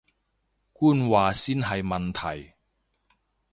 官話先係問題